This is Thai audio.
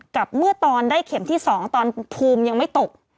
เมื่อตอนได้เข็มที่๒ตอนภูมิยังไม่ตก